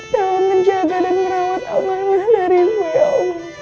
tahu menjaga dan merawat amanah darimu ya allah